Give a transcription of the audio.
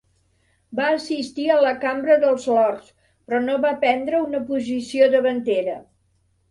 Va assistir a la Cambra dels Lords, però no va prendre una posició davantera.